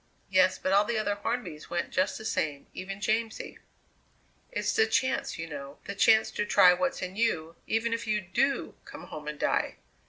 "Yes, but all the other Hornbys went just the same, even Jamsie. It's the chance, you know, the chance to try what's in you, even if you do come home and die!